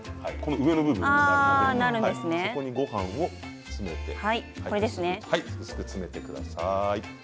上の部分になるのでそこに、ごはんを詰めて薄く詰めてください。